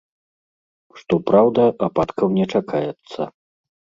Што праўда, ападкаў не чакаецца.